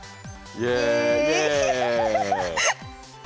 イエイ。